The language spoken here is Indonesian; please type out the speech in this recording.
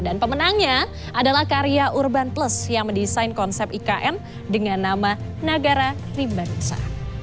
dan pemenangnya adalah karya urban plus yang mendesain konsep ikn dengan nama nagara rimbang nusa